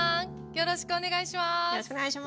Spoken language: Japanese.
よろしくお願いします。